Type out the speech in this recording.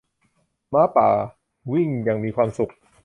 ม้าป่า วิ่งอย่างมีความสุข